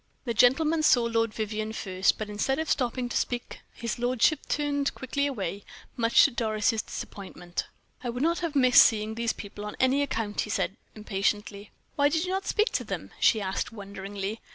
The gentleman saw Lord Vivianne first, but instead of stopping to speak his lordship turned quickly away, much to Doris' disappointment. "I would not have missed seeing these people on any account," he said impatiently. "Why did you not speak to them?" she asked wonderingly.